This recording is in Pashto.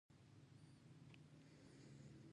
ملکې ایزابلا او پاچا فردیناند واده وکړ.